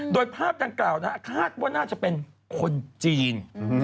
โดยภาพดังกล่าวคาดว่าน่าจะเป็นคนจีน